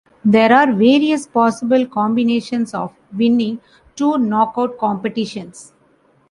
There are various possible combinations of winning two knock-out competitions.